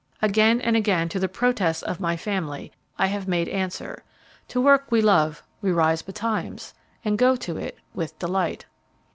Again and again to the protests of my family, I have made answer "To work we love we rise betimes, and go to it with delight."